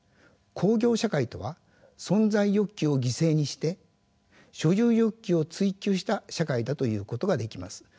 工業社会とは存在欲求を犠牲にして所有欲求を追求した社会だと言うことができます。